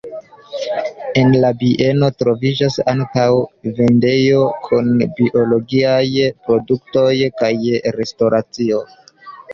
En la bieno troviĝas ankaŭ vendejo kun biologiaj produktoj kaj restoracio.